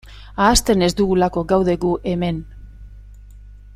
Ahazten ez dugulako gaude gu hemen.